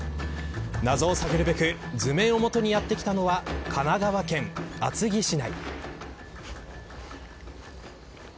謎を探るべく図面を元にやって来たのは神奈川県厚木市内。